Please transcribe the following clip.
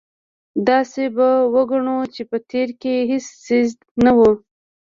داسې به وګڼو چې په تېر کې هېڅ یزید نه و.